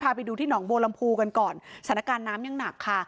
ไปดูที่หนองบัวลำพูกันก่อนสถานการณ์น้ำยังหนักค่ะ